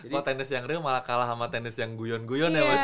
kalau tenis yang real malah kalah sama tenis yang guyon guyon ya mas ya